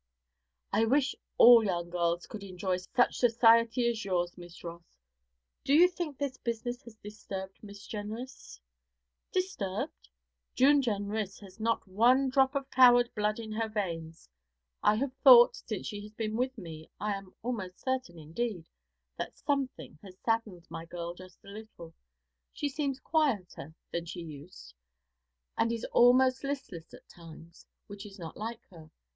'I wish all young girls could enjoy such society as yours, Miss Ross. Do you think this business has disturbed Miss Jenrys?' 'Disturbed? June Jenrys has not one drop of coward blood in her veins! I have thought, since she has been with me I am almost certain, indeed that something has saddened my girl just a little; she seems quieter than she used, and is almost listless at times, which is not like her.